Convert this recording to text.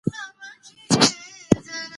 دا څه که يې دا ظالم هسې نه .